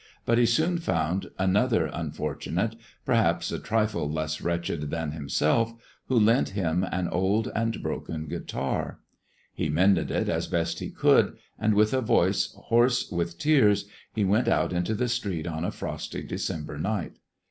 But he soon found another unfortunate, perhaps a trifle less wretched than himself, who lent him an old and broken guitar. He mended it as best he could, and with a voice hoarse with tears he went out into the street on a frosty December night.